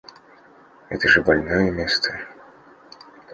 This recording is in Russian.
Это же больное место!